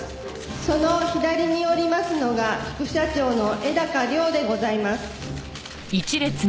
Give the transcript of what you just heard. その左におりますのが副社長の絵高良でございます。